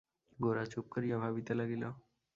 গোরা চুপ করিয়া ভাবিতে লাগিল।